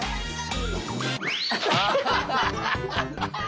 ハハハハ！